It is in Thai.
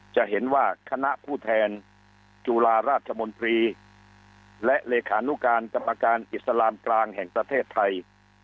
จะเห็นว่าคณะผู้แทนจุฬาราชมนตรีและเลขานุการกรรมการอิสลามกลางแห่งประเทศไทย